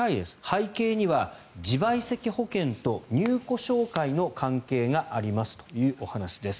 背景には自賠責保険と入庫紹介の関係がありますというお話です。